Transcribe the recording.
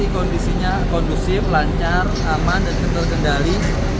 kondisinya kondusif lancar aman dan terkendali